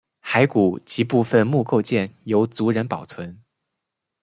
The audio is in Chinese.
骸骨及部分墓构件由族人保存。